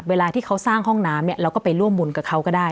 เวลาที่เขาสร้างห้องน้ำเนี่ยเราก็ไปร่วมบุญกับเขาก็ได้